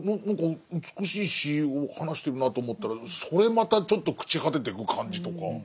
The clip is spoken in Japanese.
何か美しい詩を話してるなと思ったらそれまたちょっと朽ち果ててく感じとか。